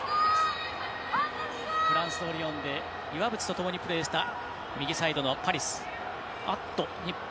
フランスで岩渕とともにプレーした右サイドのパリス。